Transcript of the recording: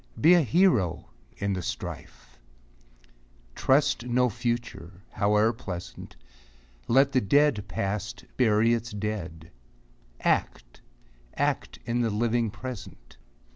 Be a hero in the strife ! Trust no Future, howe'er pleasant ! Let the dead Past bury its dead ! Act, — act in the living Present